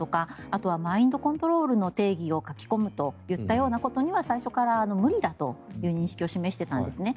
あとはマインドコントロールの定義を書き込むといったようなことには最初から無理だという認識を示していたんですね。